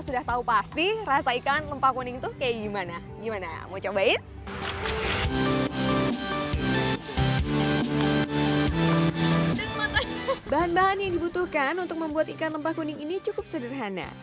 bahan bahan yang dibutuhkan untuk membuat ikan lempah kuning ini cukup sederhana